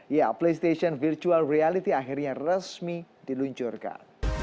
ya playstation virtual reality akhirnya resmi diluncurkan